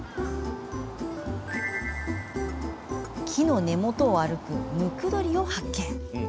木の根元を歩くムクドリを発見。